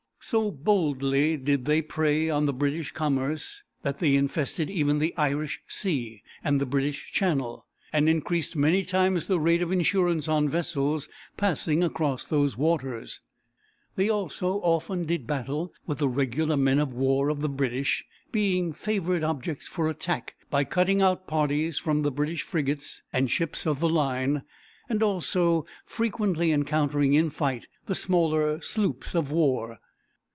So boldly did they prey on the British commerce, that they infested even the Irish Sea and the British Channel, and increased many times the rate of insurance on vessels passing across those waters. They also often did battle with the regular men of war of the British, being favorite objects for attack by cutting out parties from the British frigates and ships of the line, and also frequently encountering in fight the smaller sloops of war.